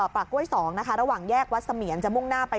ปากก้วย๒ระหว่างแยกวัดสะเมียร์จมุ่งหน้าไป